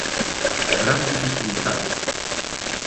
"Gran dificultade".